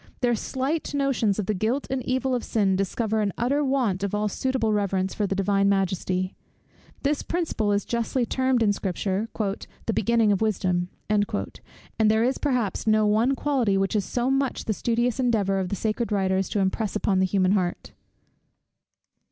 Their slight notions of the guilt and evil of sin discover an utter want of all suitable reverence for the Divine Majesty. This principle is justly termed in Scripture, "the beginning of wisdom," and there is perhaps no one quality which it is so much the studious endeavour of the sacred writers to impress upon the human heart.